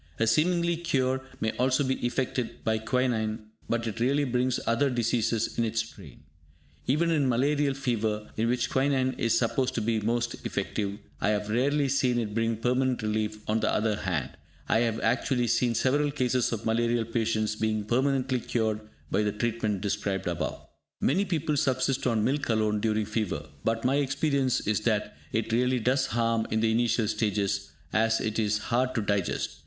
A seeming cure may also be effected by quinine, but it really brings other diseases in its train. Even in malarial fever, in which quinine is supposed to be most effective, I have rarely seen it bring permanent relief; on the other hand, I have actually seen several cases of malarial patients being permanently cured by the treatment described above. Many people subsist on milk alone during fever, but my experience is that it really does harm in the initial stages, as it is hard to digest.